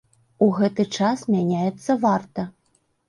У гэты час мяняецца варта.